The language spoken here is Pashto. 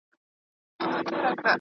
لېونی نه یمه هوښیار یمه رقیب پیژنم.